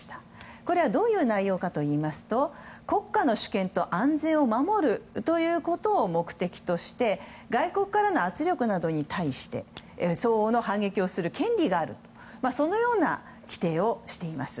これはどういう内容かというと国家の主権と安全を守るということを目的として外国からの圧力などに対して相応の反撃をする権利があるそのような否定をしています。